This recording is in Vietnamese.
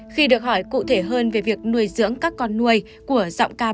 khi được hỏi cụ thể hơn về việc nuôi dưỡng các con nuôi của dọng cao